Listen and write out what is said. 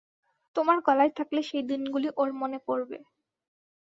তোমার গলায় থাকলে সেই দিনগুলি ওঁর মনে পড়বে।